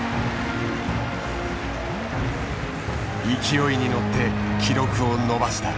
勢いに乗って記録を伸ばした。